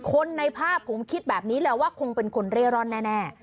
คนในภาพผมคิดแบบนี้แหละว่าคงเป็นคนเร่ร่อนแน่